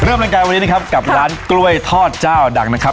เริ่มรายการวันนี้นะครับกับร้านกล้วยทอดเจ้าดังนะครับ